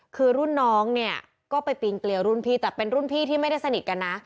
คือรุ่นน้องเนี่ยก็ไปปีนเกลียวรุ่นพี่แต่เป็นรุ่นพี่ที่ไม่ได้สนิทกันนะ